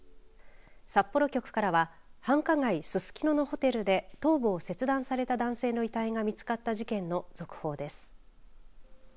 札幌局からは繁華街ススキノのホテルで頭部を切断された男性の遺体が見つかった事件の続報です。